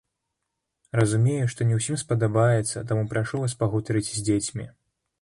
Разумею, што не ўсім спадабаецца, таму прашу вас пагутарыць з дзецьмі.